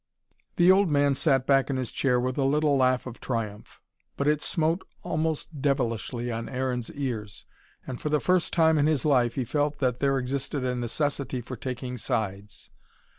The old man sat back in his chair with a little laugh of triumph. But it smote almost devilishly on Aaron's ears, and for the first time in his life he felt that there existed a necessity for taking sides.